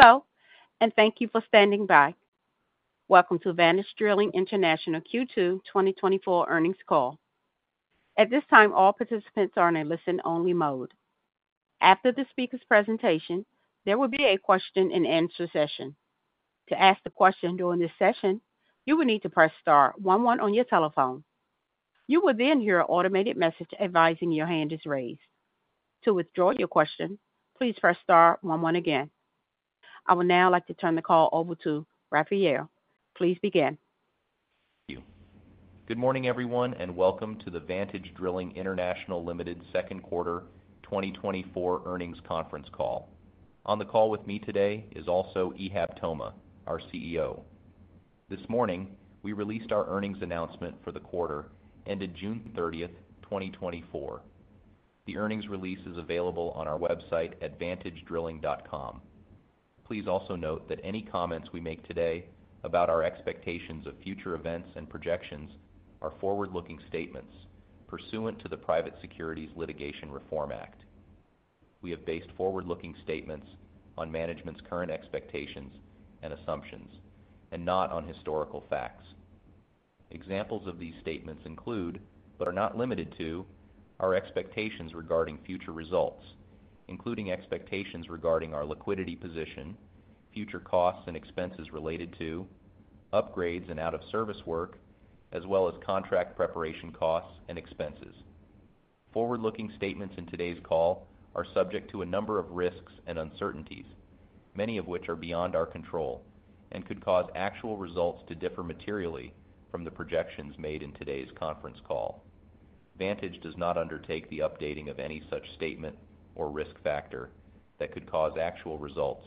Hello, and thank you for standing by. Welcome to Vantage Drilling International Q2 2024 Earnings Call. At this time, all participants are in a listen-only mode. After the speaker's presentation, there will be a question-and-answer session. To ask the question during this session, you will need to press star one one on your telephone. You will then hear an automated message advising your hand is raised. To withdraw your question, please press star one one again. I would now like to turn the call over to Rafael. Please begin. Thank you. Good morning, everyone, and welcome to the Vantage Drilling International Limited Second Quarter 2024 Earnings Conference Call. On the call with me today is also Ihab Toma, our CEO. This morning, we released our earnings announcement for the quarter ended June 30, 2024. The earnings release is available on our website at vantagedrilling.com. Please also note that any comments we make today about our expectations of future events and projections are forward-looking statements pursuant to the Private Securities Litigation Reform Act. We have based forward-looking statements on management's current expectations and assumptions and not on historical facts. Examples of these statements include, but are not limited to, our expectations regarding future results, including expectations regarding our liquidity position, future costs and expenses related to upgrades and out-of-service work, as well as contract preparation costs and expenses. Forward-looking statements in today's call are subject to a number of risks and uncertainties, many of which are beyond our control, and could cause actual results to differ materially from the projections made in today's conference call. Vantage does not undertake the updating of any such statement or risk factor that could cause actual results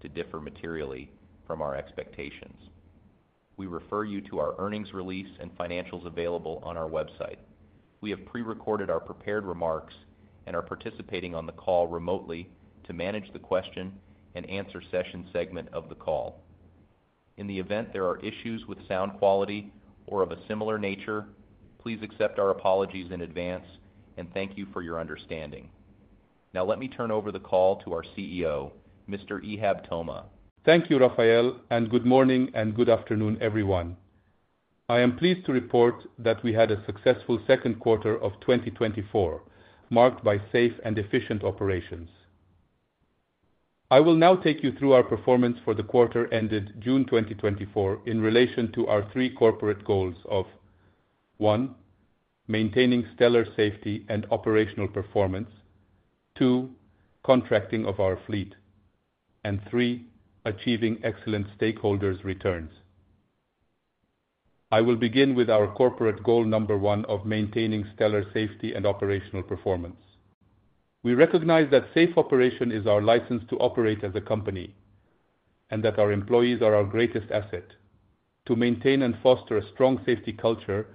to differ materially from our expectations. We refer you to our earnings release and financials available on our website. We have pre-recorded our prepared remarks and are participating on the call remotely to manage the question and answer session segment of the call. In the event there are issues with sound quality or of a similar nature, please accept our apologies in advance, and thank you for your understanding. Now, let me turn over the call to our CEO, Mr. Ihab Toma. Thank you, Rafael, and good morning and good afternoon, everyone. I am pleased to report that we had a successful second quarter of 2024, marked by safe and efficient operations. I will now take you through our performance for the quarter ended June 2024 in relation to our three corporate goals of: one, maintaining stellar safety and operational performance, two, contracting of our fleet, and three, achieving excellent stakeholders' returns. I will begin with our corporate goal number one of maintaining stellar safety and operational performance. We recognize that safe operation is our license to operate as a company and that our employees are our greatest asset. To maintain and foster a strong safety culture,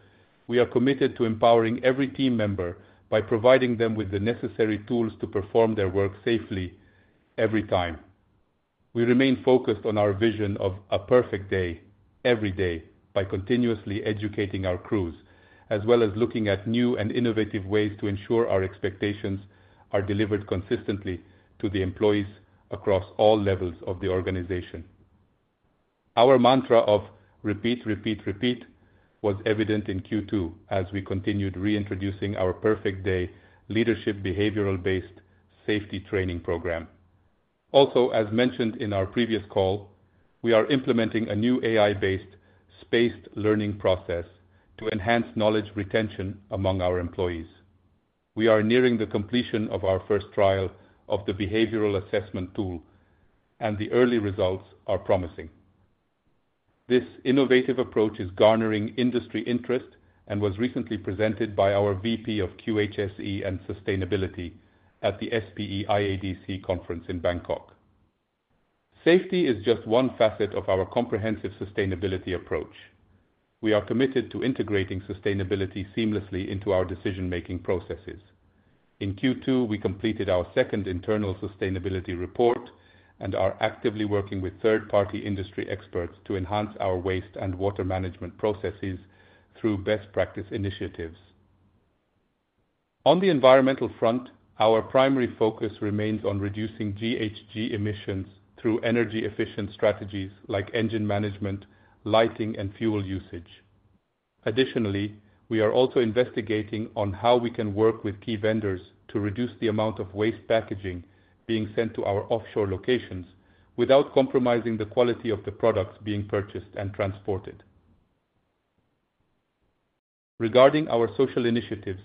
we are committed to empowering every team member by providing them with the necessary tools to perform their work safely every time. We remain focused on our vision of a perfect day every day by continuously educating our crews, as well as looking at new and innovative ways to ensure our expectations are delivered consistently to the employees across all levels of the organization. Our mantra of repeat, repeat, repeat was evident in Q2 as we continued reintroducing our Perfect Day leadership Behavioral-Based Safety training program. Also, as mentioned in our previous call, we are implementing a new AI-based spaced learning process to enhance knowledge retention among our employees. We are nearing the completion of our first trial of the behavioral assessment tool, and the early results are promising. This innovative approach is garnering industry interest and was recently presented by our VP of QHSE and Sustainability at the SPE/IADC Conference in Bangkok. Safety is just one facet of our comprehensive sustainability approach. We are committed to integrating sustainability seamlessly into our decision-making processes. In Q2, we completed our second internal sustainability report and are actively working with third-party industry experts to enhance our waste and water management processes through best practice initiatives. On the environmental front, our primary focus remains on reducing GHG emissions through energy-efficient strategies like engine management, lighting, and fuel usage. Additionally, we are also investigating on how we can work with key vendors to reduce the amount of waste packaging being sent to our offshore locations without compromising the quality of the products being purchased and transported. Regarding our social initiatives,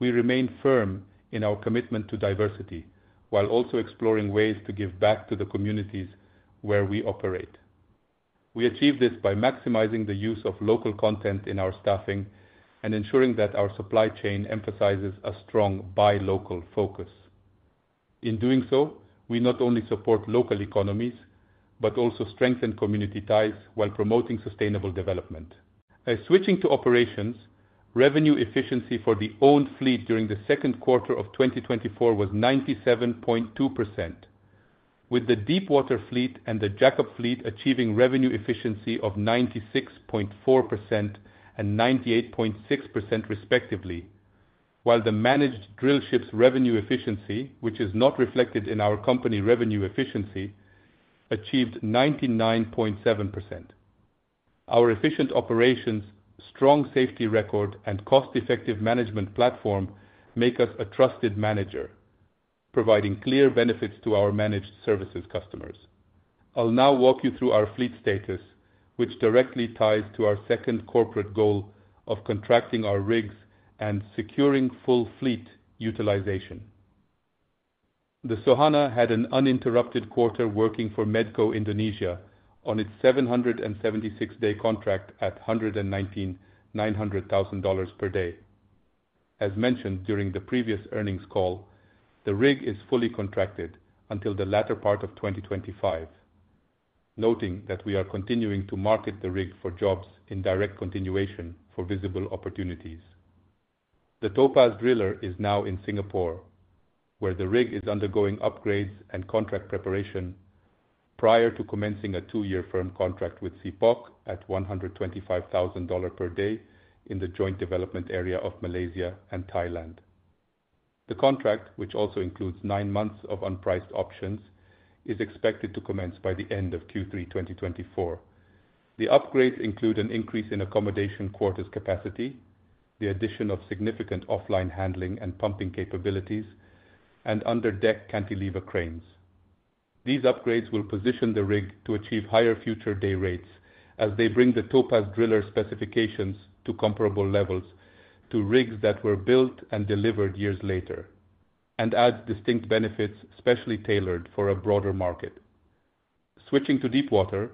we remain firm in our commitment to diversity, while also exploring ways to give back to the communities where we operate. We achieve this by maximizing the use of local content in our staffing and ensuring that our supply chain emphasizes a strong buy local focus. In doing so, we not only support local economies, but also strengthen community ties while promoting sustainable development. Switching to operations, revenue efficiency for the owned fleet during the second quarter of 2024 was 97.2%, with the deepwater fleet and the jackup fleet achieving revenue efficiency of 96.4% and 98.6%, respectively. While the managed drillships revenue efficiency, which is not reflected in our company revenue efficiency, achieved 99.7%. Our efficient operations, strong safety record, and cost-effective management platform make us a trusted manager, providing clear benefits to our managed services customers. I'll now walk you through our fleet status, which directly ties to our second corporate goal of contracting our rigs and securing full fleet utilization. The Soehanah had an uninterrupted quarter working for Medco Indonesia on its 776-day contract at $119,900 per day. As mentioned during the previous earnings call, the rig is fully contracted until the latter part of 2025. Noting that we are continuing to market the rig for jobs in direct continuation for visible opportunities. The Topaz Driller is now in Singapore, where the rig is undergoing upgrades and contract preparation prior to commencing a 2-year firm contract with CPOC at $125,000 dollars per day in the Joint Development Area of Malaysia and Thailand. The contract, which also includes 9 months of unpriced options, is expected to commence by the end of Q3 2024. The upgrades include an increase in accommodation quarters capacity, the addition of significant offline handling and pumping capabilities, and under deck cantilever cranes. These upgrades will position the rig to achieve higher future day rates as they bring the Topaz Driller specifications to comparable levels to rigs that were built and delivered years later, and adds distinct benefits, specially tailored for a broader market. Switching to deepwater,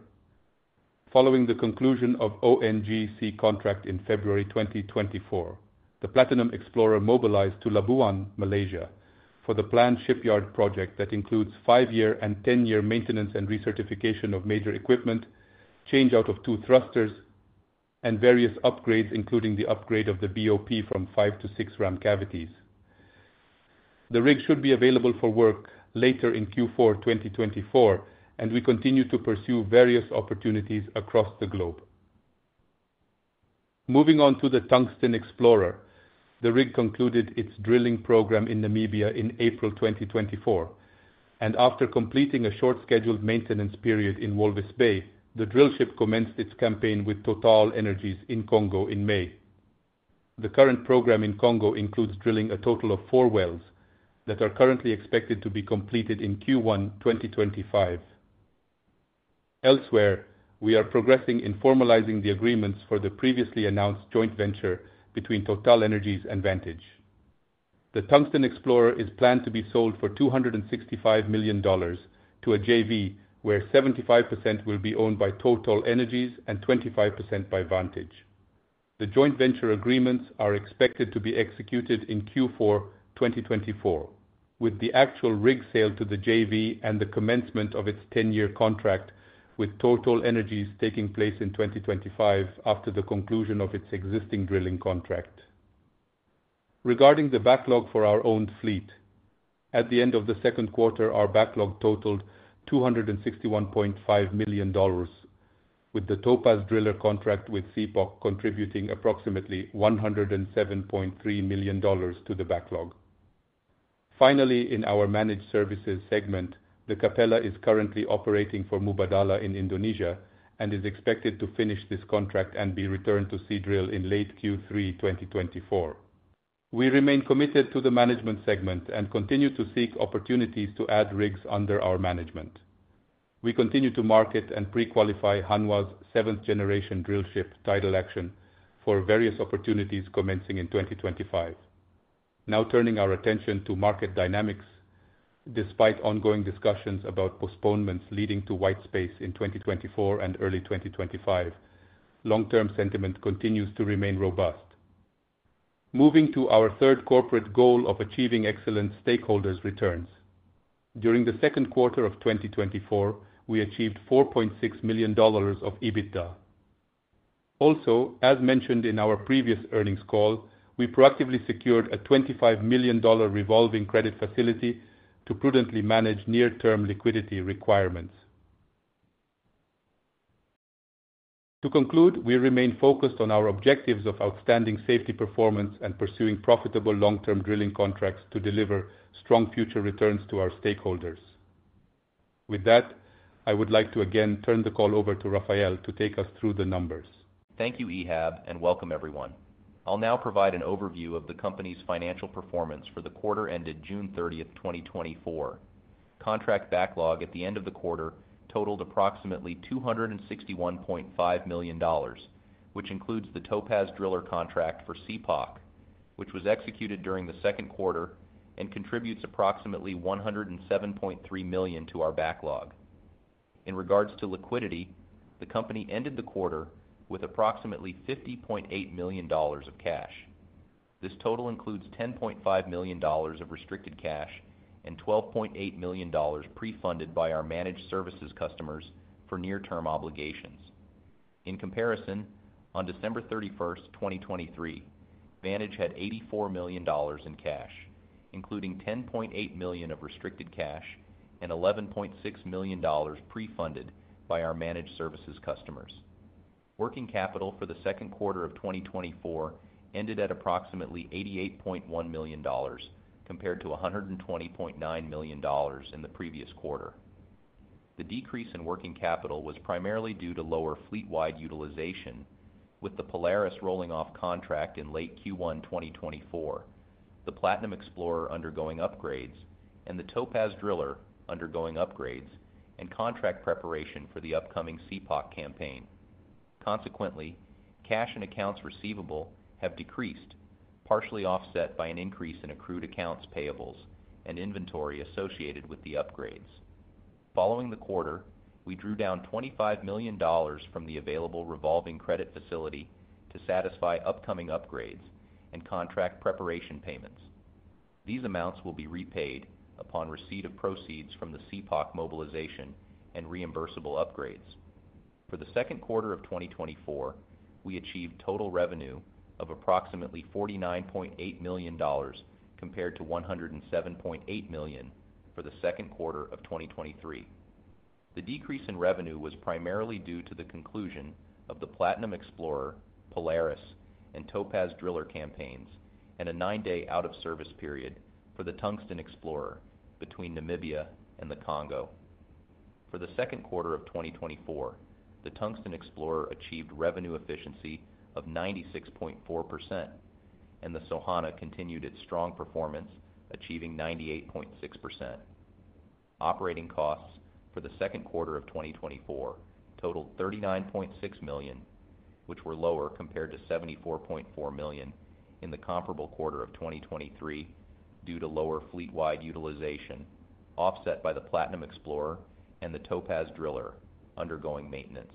following the conclusion of ONGC contract in February 2024, the Platinum Explorer mobilized to Labuan, Malaysia, for the planned shipyard project that includes 5-year and 10-year maintenance and recertification of major equipment, change out of 2 thrusters, and various upgrades, including the upgrade of the BOP from 5 to 6 ram cavities. The rig should be available for work later in Q4 2024, and we continue to pursue various opportunities across the globe. Moving on to the Tungsten Explorer. The rig concluded its drilling program in Namibia in April 2024, and after completing a short scheduled maintenance period in Walvis Bay, the drillship commenced its campaign with TotalEnergies in Congo in May. The current program in Congo includes drilling a total of four wells that are currently expected to be completed in Q1 2025. Elsewhere, we are progressing in formalizing the agreements for the previously announced joint venture between TotalEnergies and Vantage. The Tungsten Explorer is planned to be sold for $265 million to a JV, where 75% will be owned by TotalEnergies and 25% by Vantage. The joint venture agreements are expected to be executed in Q4 2024, with the actual rig sale to the JV and the commencement of its ten-year contract, with TotalEnergies taking place in 2025 after the conclusion of its existing drilling contract. Regarding the backlog for our own fleet, at the end of the second quarter, our backlog totaled $261.5 million, with the Topaz Driller contract with CPOC contributing approximately $107.3 million to the backlog. Finally, in our managed services segment, the Capella is currently operating for Mubadala in Indonesia and is expected to finish this contract and be returned to Seadrill in late Q3 2024. We remain committed to the management segment and continue to seek opportunities to add rigs under our management. We continue to market and pre-qualify Hanwha's seventh-generation drillship, Tidal Action, for various opportunities commencing in 2025. Now turning our attention to market dynamics. Despite ongoing discussions about postponements leading to white space in 2024 and early 2025, long-term sentiment continues to remain robust. Moving to our third corporate goal of achieving excellent stakeholders returns. During the second quarter of 2024, we achieved $4.6 million of EBITDA. Also, as mentioned in our previous earnings call, we proactively secured a $25 million revolving credit facility to prudently manage near-term liquidity requirements. To conclude, we remain focused on our objectives of outstanding safety performance and pursuing profitable long-term drilling contracts to deliver strong future returns to our stakeholders. With that, I would like to again turn the call over to Rafael to take us through the numbers. Thank you, Ihab, and welcome everyone. I'll now provide an overview of the company's financial performance for the quarter ended June 30th, 2024. Contract backlog at the end of the quarter totaled approximately $261.5 million, which includes the Topaz Driller contract for CPOC, which was executed during the second quarter and contributes approximately $107.3 million to our backlog. In regards to liquidity, the company ended the quarter with approximately $50.8 million of cash. This total includes $10.5 million of restricted cash and $12.8 million pre-funded by our managed services customers for near-term obligations. In comparison, on December 31st, 2023, Vantage had $84 million in cash, including $10.8 million of restricted cash and $11.6 million pre-funded by our managed services customers. Working capital for the second quarter of 2024 ended at approximately $88.1 million, compared to $120.9 million in the previous quarter. The decrease in working capital was primarily due to lower fleet-wide utilization, with the Polaris rolling off contract in late Q1 2024. The Platinum Explorer undergoing upgrades and the Topaz Driller undergoing upgrades and contract preparation for the upcoming CPOC campaign. Consequently, cash and accounts receivable have decreased, partially offset by an increase in accrued accounts, payables, and inventory associated with the upgrades. Following the quarter, we drew down $25 million from the available revolving credit facility to satisfy upcoming upgrades and contract preparation payments. These amounts will be repaid upon receipt of proceeds from the CPOC mobilization and reimbursable upgrades. For the second quarter of 2024, we achieved total revenue of approximately $49.8 million, compared to $107.8 million for the second quarter of 2023. The decrease in revenue was primarily due to the conclusion of the Platinum Explorer, Polaris, and Topaz Driller campaigns, and a 9-day out of service period for the Tungsten Explorer between Namibia and the Congo. For the second quarter of 2024, the Tungsten Explorer achieved revenue efficiency of 96.4%, and the Soehanah continued its strong performance, achieving 98.6%. Operating costs for the second quarter of 2024 totaled $39.6 million, which were lower compared to $74.4 million in the comparable quarter of 2023, due to lower fleet-wide utilization, offset by the Platinum Explorer and the Topaz Driller undergoing maintenance.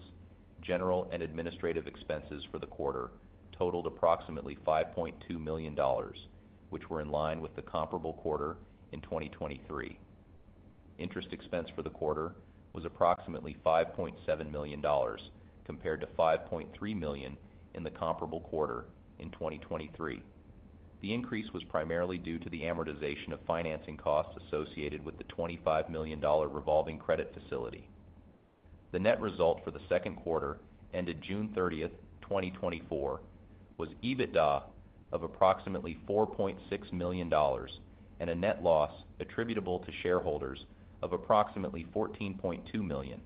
General and administrative expenses for the quarter totaled approximately $5.2 million, which were in line with the comparable quarter in 2023. Interest expense for the quarter was approximately $5.7 million, compared to $5.3 million in the comparable quarter in 2023. The increase was primarily due to the amortization of financing costs associated with the $25 million revolving credit facility. The net result for the second quarter, ended June 30th, 2024, was EBITDA of approximately $4.6 million, and a net loss attributable to shareholders of approximately $14.2 million.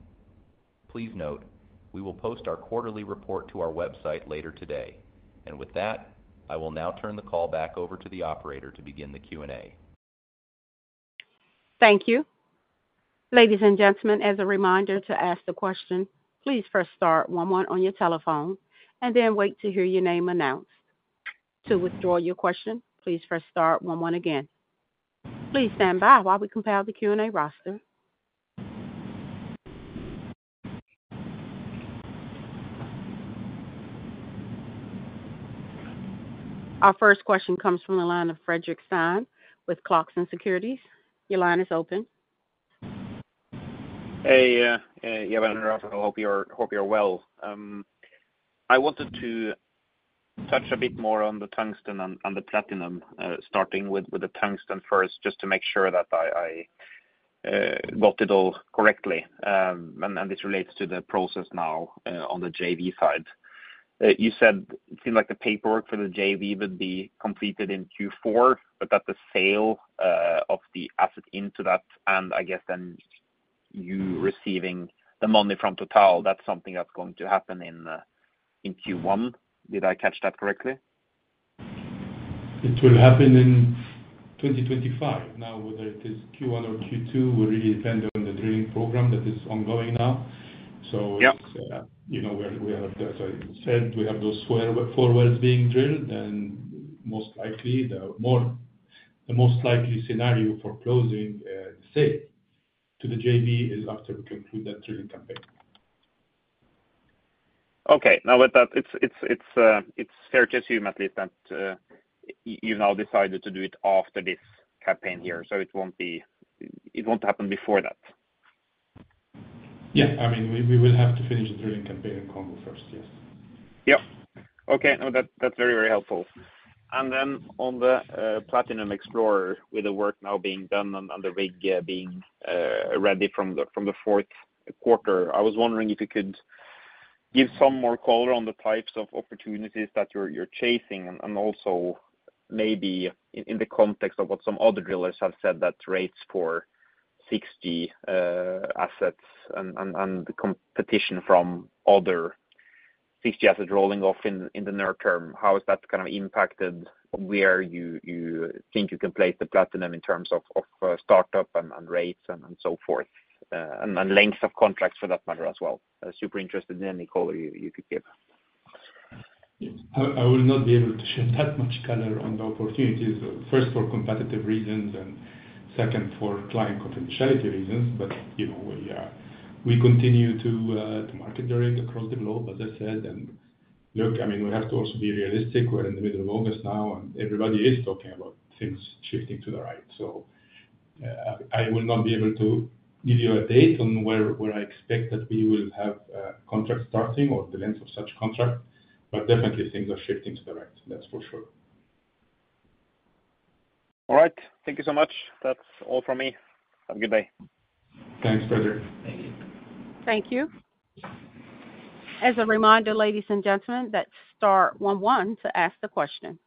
Please note, we will post our quarterly report to our website later today. With that, I will now turn the call back over to the operator to begin the Q&A. Thank you. Ladies and gentlemen, as a reminder to ask the question, please press star one one on your telephone and then wait to hear your name announced. To withdraw your question, please press star one one again. Please stand by while we compile the Q&A roster. Our first question comes from the line of Fredrik Stene with Clarksons Securities. Your line is open. Hey, yeah, Rafael, I hope you're well. I wanted to touch a bit more on the Tungsten and the Platinum, starting with the Tungsten first, just to make sure that I got it all correctly, and this relates to the process now on the JV side. You said it seemed like the paperwork for the JV would be completed in Q4, but that the sale of the asset into that, and I guess then you receiving the money from Total, that's something that's going to happen in Q1. Did I catch that correctly? It will happen in 2025. Now, whether it is Q1 or Q2 will really depend on the drilling program that is ongoing now. Yep. So, you know, we are, as I said, we have those four, four wells being drilled, and most likely, the most likely scenario for closing the sale to the JV is after we conclude that drilling campaign. Okay. Now, with that, it's fair to assume at least that you've now decided to do it after this campaign here, so it won't be, it won't happen before that? Yeah. I mean, we will have to finish the drilling campaign in Congo first. Yes. Yep. Okay. No, that's, that's very, very helpful. And then on the Platinum Explorer, with the work now being done and the rig being ready from the fourth quarter, I was wondering if you could give some more color on the types of opportunities that you're chasing, and also maybe in the context of what some other drillers have said, that rates for fixed assets and the competition from other fixed assets rolling off in the near term. How has that kind of impacted where you think you can place the Platinum in terms of startup and rates and so forth, and length of contracts for that matter as well? I'm super interested in any color you could give. Yes. I will not be able to share that much color on the opportunities, first, for competitive reasons, and second, for client confidentiality reasons. But, you know, we continue to market the rate across the globe, as I said. And look, I mean, we have to also be realistic. We're in the middle of August now, and everybody is talking about things shifting to the right. So, I will not be able to give you a date on where I expect that we will have a contract starting or the length of such contract, but definitely things are shifting to the right, that's for sure. All right. Thank you so much. That's all from me. Have a good day. Thanks, Fredrik. Thank you. Thank you. As a reminder, ladies and gentlemen, that's star one one to ask the question.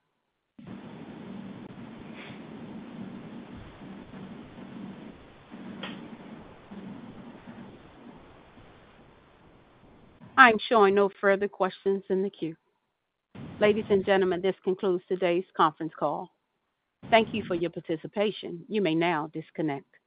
I'm showing no further questions in the queue. Ladies and gentlemen, this concludes today's conference call. Thank you for your participation. You may now disconnect.